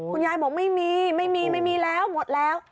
คุณยายบอกไม่มีไม่มีแล้วหมดแล้ว